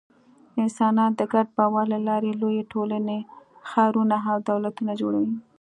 انسانان د ګډ باور له لارې لویې ټولنې، ښارونه او دولتونه جوړوي.